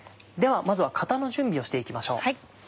ではまずは型の準備をして行きましょう。